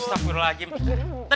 kita kesini tuh mau ngelamar kerja